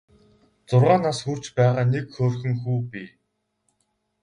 Зургаан нас хүрч байгаа нэг хөөрхөн хүү бий.